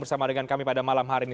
bersama dengan kami pada malam hari ini